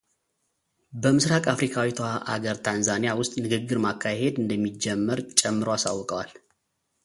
በምሥራቅ አፍሪካዊቷ አገር ታንዛኒያ ውስጥ ንግግር ማካሄድ እንደሚጀምር ጨምረው አሳውቀዋል።